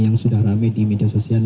yang sudah rame di media sosial